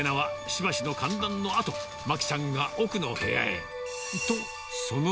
しばしの歓談のあと、まきさんが奥の部屋へ。